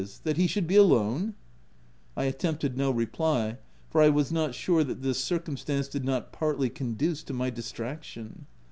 that he should be alone }" I attempted no reply, for I was not sure that this circumstance did not partly conduce to my distraction.